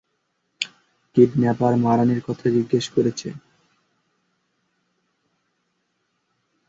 Kidnapper মারানের কথা জিজ্ঞেস করেছে।